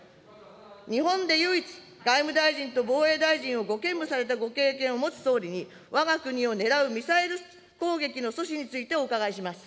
日本で唯一、外務大臣と防衛大臣をご兼務されたご経験を持つ総理に、わが国を狙うミサイル攻撃の阻止についてお伺いします。